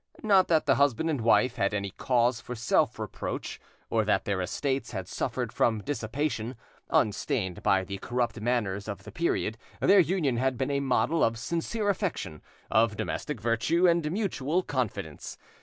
Not that the husband and wife had any cause for self reproach, or that their estates had suffered from dissipation; unstained by the corrupt manners of the period, their union had been a model of sincere affection, of domestic virtue and mutual confidence.